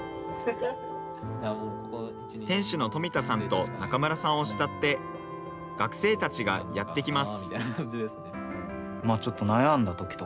店主の富田さんと仲村さんを慕って、学生たちがやって来ます。